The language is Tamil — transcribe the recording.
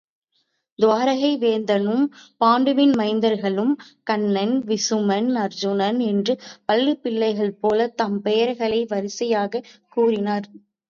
துவாரகை வேந்தனும் பாண்டுவின் மைந்தர்களும் கண்ணன், வீமன், அருச்சுனன் என்று பள்ளிப்பிள்ளைகள் போல் தம் பெயர்களை வரிசையாகக் கூறினர்.